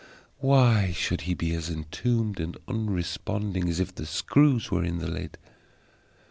Why should he be as entombed and unresponding as if the screws were in the lid?